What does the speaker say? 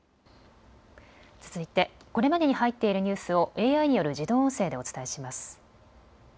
続いてこれまでに入っているニュースをＡＩによる自動音声でお伝えします。